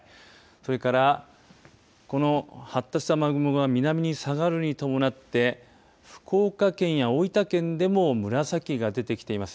それから、この発達した雨雲が南に下がるに伴って福岡県や大分県でも紫が出てきています。